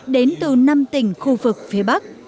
đến từ năm tỉnh khu vực phía bắc